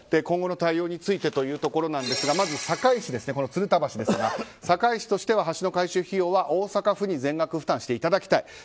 今後の対応についてというところですがまず鶴田橋ですが堺市としては橋の改修費用は大阪府に全額負担していただきたい。